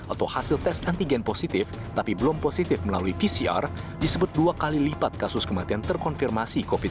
atau hasil tes antigen positif tapi belum positif melalui pcr disebut dua kali lipat kasus kematian terkonfirmasi covid sembilan belas